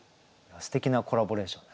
すてきなコラボレーションで。